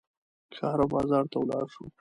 ښار او بازار ته ولاړ شو.